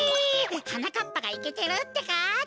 はなかっぱがイケてるってか？